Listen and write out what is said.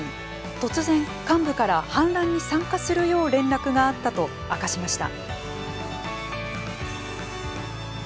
突然幹部から反乱に参加するよう連絡があったと明かしました。